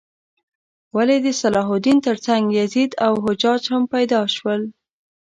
ولې د صلاح الدین تر څنګ یزید او حجاج هم پیدا شول؟